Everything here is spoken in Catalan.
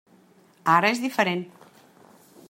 Ara és diferent.